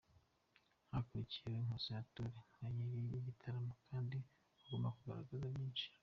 Hakurikiyeho Nkusi Arthur nka nyiri igitaramo kandi wagombaga kugaragza byinshi.